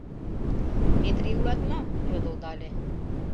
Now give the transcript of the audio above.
— Метрий улат мо? — йодылдале.